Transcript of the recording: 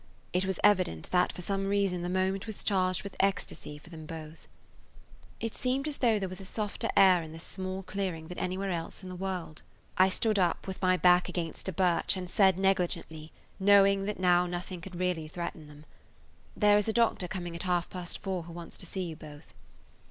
It was evident that for some reason the moment was charged with ecstasy for them both. It seemed as though there was a softer [Page 145] air in this small clearing than anywhere else in the world. I stood up, with my back against a birch and said negligently, knowing now that nothing could really threaten them: "There is a doctor coming at half past four who wants to see you both."